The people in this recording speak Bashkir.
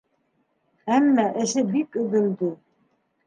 Әммә эсе бик өҙөлдө.